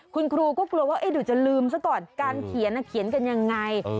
คุณครูก็กลัวว่าเดี๋ยวจะลืมซะก่อนการเขียนเขียนกันยังไง